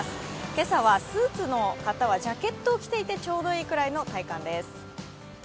今朝はスーツの方はジャケットを着ていてちょうどよいくらいの体感です。